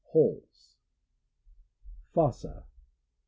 — Holes. Fossa.